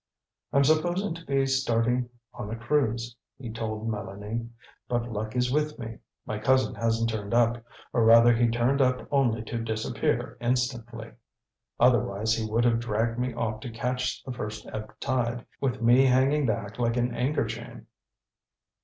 "I'm supposed to be starting on a cruise," he told Mélanie, "but luck is with me. My cousin hasn't turned up or rather he turned up only to disappear instantly. Otherwise he would have dragged me off to catch the first ebb tide, with me hanging back like an anchor chain."